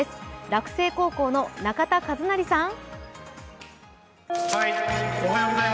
洛星高校の中田主成さん。